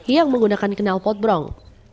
yang menggunakan kenal potbrong